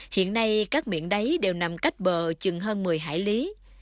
hiện nay các miệng đáy đều nằm cách bờ chừng hơn một mươi hải lý